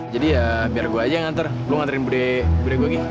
jadi ya biar gue aja yang nganter lo nganterin budi budi gue lagi